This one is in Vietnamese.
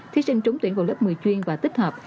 thí sinh trúng tuyển vào lớp một mươi chuyên và tích hợp